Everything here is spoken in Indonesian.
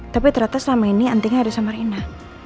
tapi ternyata selama ini antingnya ada sama rina